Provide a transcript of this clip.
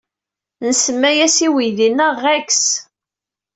Nsemma-as i weydi-nneɣ Rex.